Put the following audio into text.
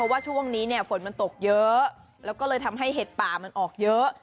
ว่าช่วงนี้เนี่ยฝนมันตกเยอะแล้วก็เลยทำให้เห็ดป่ามันออกเยอะ